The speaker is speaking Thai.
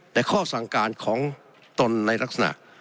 แต่ข้อสั่งการของตนในลักษณะ